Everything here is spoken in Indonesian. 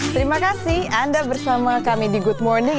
terima kasih anda bersama kami di good morning